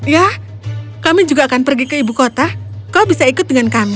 ya kami juga akan pergi ke ibu kota kau bisa ikut dengan kami